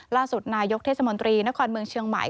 ล่าสุดนายกเทศมนตรีนครเมืองเชียงใหม่